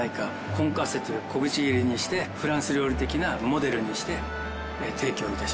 コンカッセという小口切りにしてフランス料理的なモデルにして提供致します。